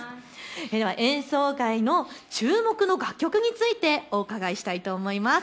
演奏会の注目の楽曲についてお伺いしたいと思います。